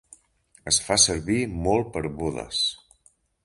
Es fa servir molt per bodes.